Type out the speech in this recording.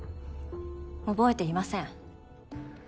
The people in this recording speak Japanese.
覚えていません。